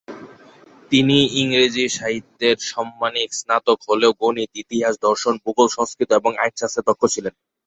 তিনি ইংরেজি সাহিত্যের সাম্মানিক স্নাতক হলেও গণিত, ইতিহাস, দর্শন, ভূগোল, সংস্কৃত এবং আইনশাস্ত্রে দক্ষ ছিলেন।